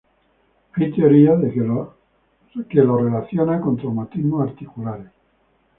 Hay teorías que los relacionan con traumatismos articulares.